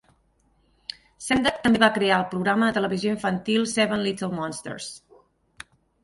Sendak també va crear el programa de televisió infantil "Seven Little Monsters".